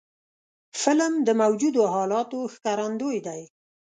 فلم د موجودو حالاتو ښکارندوی دی